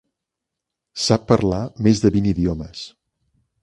Sap parlar més de vint idiomes.